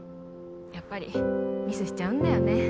やっぱりミスしちゃうんだよね